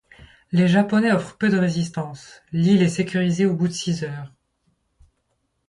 Les Japonais offrent peu de résistance, l'île est sécurisée au bout de six heures.